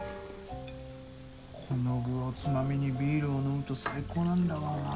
この具をつまみにビールを飲むと最高なんだわ。